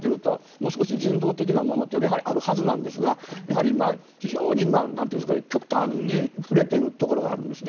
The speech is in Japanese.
もう少し人道的な問題があるはずなんですが極端に振れているところがあるんです。